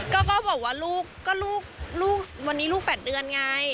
ก็บอกว่าลูกวันนี้ลูก๘เดือนไง